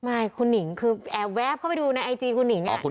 ไม่คุณหนิงคือแอบแวบเข้าไปดูในไอจีคุณหนิง